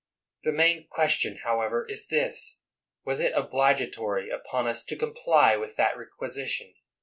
The main question, however, is this: Was it obligatory upon us to comply with that req uisition